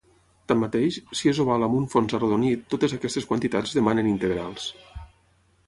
Tanmateix, si és oval amb un fons arrodonit, totes aquestes quantitats demanen integrals.